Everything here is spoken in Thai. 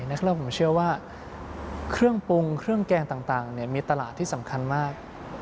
แรกผมเชื่อว่าเครื่องปรุงเครื่องแกงต่างมีตลาดที่สำคัญมาก